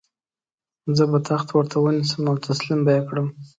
زه به تخت ورته ونیسم او تسلیم به یې کړم.